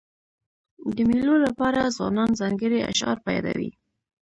د مېلو له پاره ځوانان ځانګړي اشعار په یادوي.